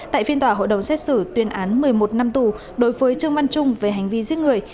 tại phiên tòa hội đồng xét xử tuyên án một mươi một năm tù đối với trương văn trung về hành vi giết người